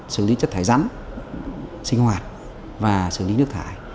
xử lý chất thải rắn sinh hoạt và xử lý nước thải